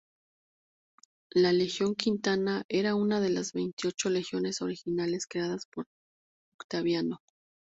La legión Quinta era una de las veintiocho legiones originales creadas por Octaviano.